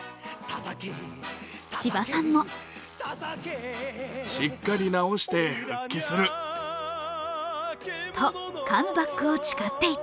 ちばさんもとカムバックを誓っていた。